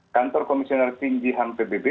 kantor komisioner tinggi ham pbb